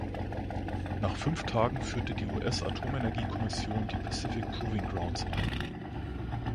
Nach fünf Tagen führte die US-Atomenergiekommission die Pacific Proving Grounds ein.